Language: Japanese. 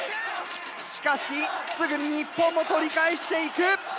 しかしすぐに日本も取り返していく！